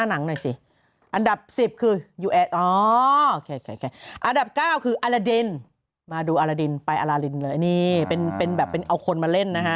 อันดับ๑๐อันดับ๙คืออลลาดินมาดูอลลาดินไปอลลาลินเลยนี่เป็นแบบเป็นเอาคนมาเล่นนะฮะ